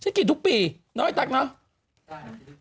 ฉันกินทุกปีน้อยตักเนาะ